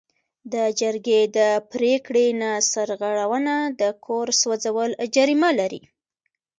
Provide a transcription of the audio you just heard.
د جرګې د پریکړې نه سرغړونه د کور سوځول جریمه لري.